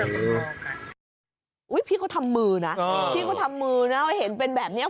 แล้วมันมองกันอุ้ยพี่เขาทำมือนะพี่เขาทำมือนะว่าเห็นเป็นแบบเนี้ย